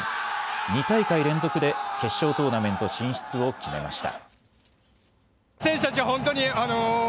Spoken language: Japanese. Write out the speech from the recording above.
２大会連続で決勝トーナメント進出を決めました。